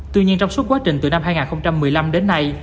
tuy nhiên trong suốt quá trình từ năm hai nghìn một mươi năm đến nay